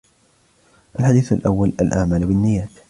الحديث الأول: الأعمال بالنيات